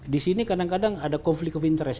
disini kadang kadang ada konflik of interest